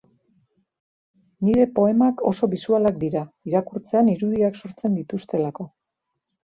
Nire poemak oso bisualak dira, irakurtzean irudiak sortzen dituztelako.